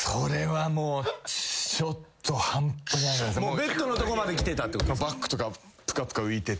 ベッドのとこまできてたってこと？